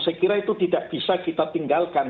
saya kira itu tidak bisa kita tinggalkan